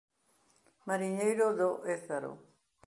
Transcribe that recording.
Mariñeiro do Ézaro.